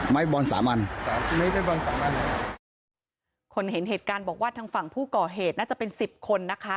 บอลสามัญครับไม่ได้บอลสามอันคนเห็นเหตุการณ์บอกว่าทางฝั่งผู้ก่อเหตุน่าจะเป็นสิบคนนะคะ